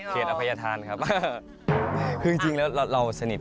เดี๋ยวนะเสียงไก่อะไรเนี่ย